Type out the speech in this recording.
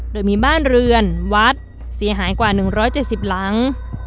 โดยมีบ้านเรือนวัดเสียหายกว่า๑๗๐หลัง